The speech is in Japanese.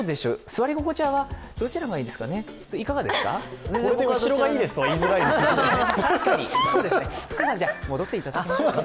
座り心地はどちらがいいでしょうか？